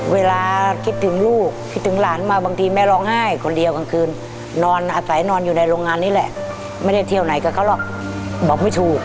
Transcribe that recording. เวลาคิดถึงลูกคิดถึงหลานมาบางทีแม่ร้องไห้คนเดียวกลางคืนนอนอาศัยนอนอยู่ในโรงงานนี้แหละไม่ได้เที่ยวไหนกับเขาหรอกบอกไม่ถูก